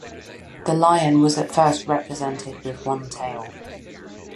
The lion was at first represented with one tail.